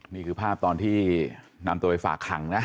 นี่คือภาพตอนที่นำตัวไปฝากขังนะ